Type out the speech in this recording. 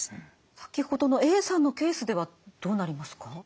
先ほどのＡさんのケースではどうなりますか？